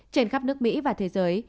trên khắp nước mỹ và thế giới